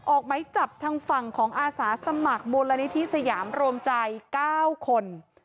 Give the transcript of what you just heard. ออกไหมจับทางฝั่งของอาสาสมัครมูลนิธิสยามรวมใจ๙คน